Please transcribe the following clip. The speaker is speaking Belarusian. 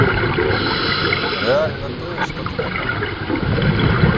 Рэальна тое, што трэба.